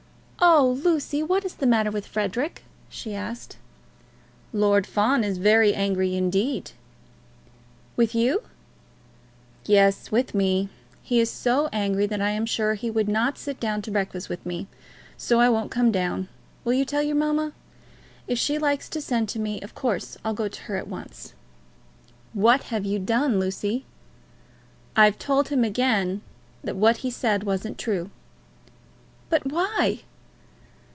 "Oh, Lucy, what is the matter with Frederic?" she asked. "Lord Fawn is very angry indeed." "With you?" "Yes; with me. He is so angry that I am sure he would not sit down to breakfast with me. So I won't come down. Will you tell your mamma? If she likes to send to me, of course I'll go to her at once." "What have you done, Lucy?" "I've told him again that what he said wasn't true." "But why?"